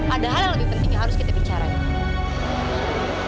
ada hal yang lebih penting yang harus kita bicarakan